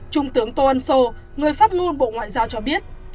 trung tướng tô ân sô người phát ngôn bộ ngoại giao cho biết